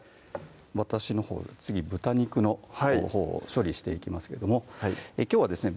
私のほう次豚肉のほうを処理していきますけどもきょうはですね